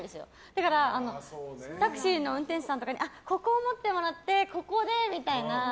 だからタクシーの運転手さんとかにここを持ってもらってここでみたいな。